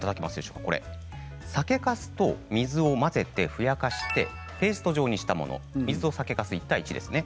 酒かすと水を混ぜてふやかしペースト状にしたもの１対１の割合です。